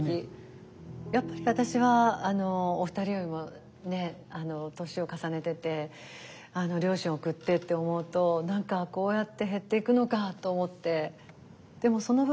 やっぱり私はお二人よりも年を重ねてて両親を送ってって思うと何かこうやって減っていくのかと思って。